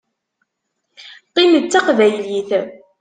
Qqim d Taqbaylit.